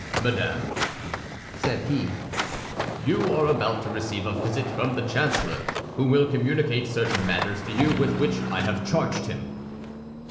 "Madame," said he, "you are about to receive a visit from the chancellor, who will communicate certain matters to you with which I have charged him."